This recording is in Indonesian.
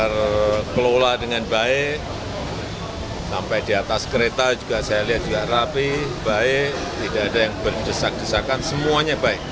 rapi baik tidak ada yang berdesak desakan semuanya baik